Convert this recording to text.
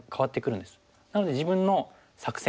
なので自分の作戦。